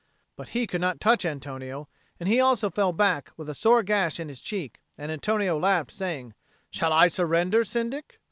But he could not touch Antonio, and he also fell back with a sore gash in his cheek; and Antonio laughed, saying, "Shall I surrender, Syndic?"